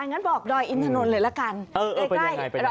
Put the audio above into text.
งั้นบอกดอยอินทานนท์เลยละกันใกล้เออไปไหน